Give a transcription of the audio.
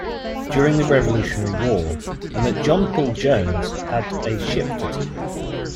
During the Revolutionary War, and that John Paul Jones had a ship fitted here.